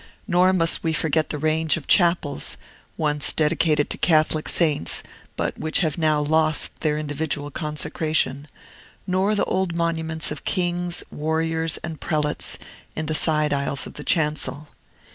Nor must we forget the range of chapels (once dedicated to Catholic saints, but which have now lost their individual consecration), nor the old monuments of kings, warriors, and prelates, in the side aisles of the chancel.